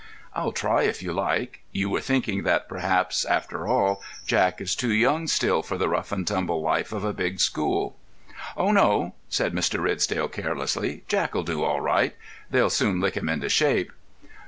"I'll try, if you like. You were thinking that perhaps, after all, Jack is too young still for the rough and tumble life of a big school." "Oh, no," said Mr. Ridsdale, carelessly. "Jack'll do all right. They'll soon lick him into shape.